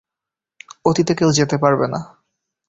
অতীতে কেউ যেতে পারবে না।